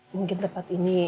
mungkin tempat ini